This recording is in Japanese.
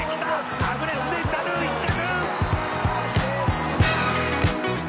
「アグネスデジタル１着！」